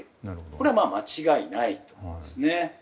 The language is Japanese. これは間違いないと思うんですね。